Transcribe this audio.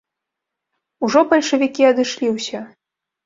Ужо бальшавікі адышлі ўсе.